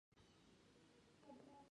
د دوی قومي کرکه د وزارتونو پر سر ده.